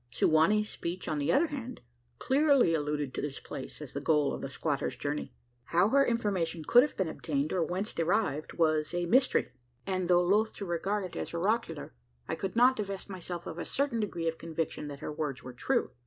Su wa nee's speech, on the other hand, clearly alluded to this place as the goal of the squatter's journey! How her information could have been obtained, or whence derived, was a mystery; and, though loth to regard it as oracular, I could not divest myself of a certain degree of conviction that her words were true.